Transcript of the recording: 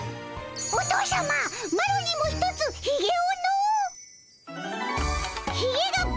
お父さまマロにもひとつひげをの！